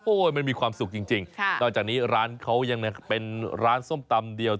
มันมีความสุขจริงนอกจากนี้ร้านเขายังเป็นร้านส้มตำเดียว